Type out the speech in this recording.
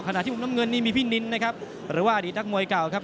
ขณะที่มุมน้ำเงินนี่มีพนินอาจารย์หรือว่าอดีตรักมวยเก่าครับ